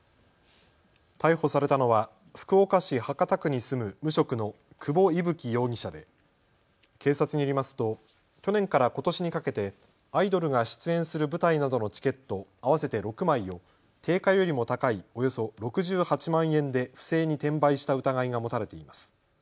逮捕されたのは福岡市博多区に住む無職の久保威吹容疑者で警察によりますと去年からことしにかけてアイドルが出演する舞台などのチケット合わせて６枚を定価よりも高いおよそ６８万円で不正に転売した疑いが持たれています。